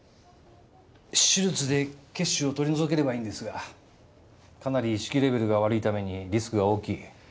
手術で血腫を取り除ければいいんですがかなり意識レベルが悪いためにリスクが大きい。